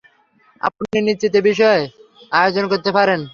আপনি নিশ্চিন্তে বিয়ের আয়োজন করতে পারেন।